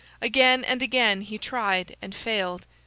Again and again he tried and failed.